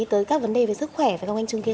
tới các vấn đề về sức khỏe phải không anh trung kiên